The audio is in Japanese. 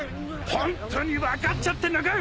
ホントに分かっちゃってんのかい？